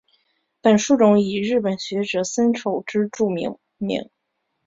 本树种以日本学者森丑之助命名。